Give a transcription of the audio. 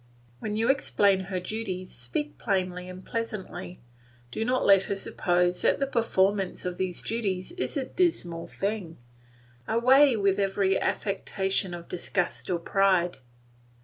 When you explain her duties speak plainly and pleasantly; do not let her suppose that the performance of these duties is a dismal thing away with every affectation of disgust or pride.